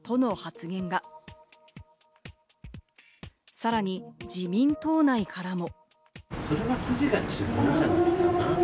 さらに自民党内からも。